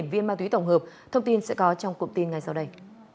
một mươi viên ma túy tổng hợp thông tin sẽ có trong cụm tin ngay sau đây